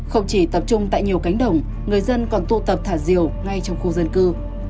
không chỉ tập trung tại nhiều cánh đồng người dân còn tu tập thả diều ngay trong khu dân cư